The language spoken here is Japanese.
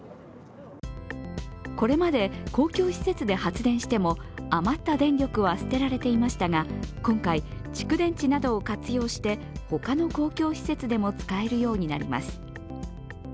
これまで、公共施設で発電しても余った電力は捨てられていましたが、今回、蓄電池などを活用して他の公共施設でも使えるようになります。